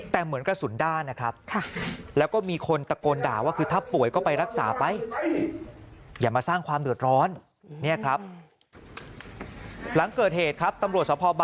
แต่เหมือนกระสุนด้านนะครับ